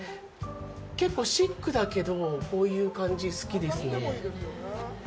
結構シックだけどこういう感じ好きですね。